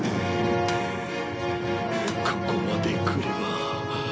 ここまで来れば。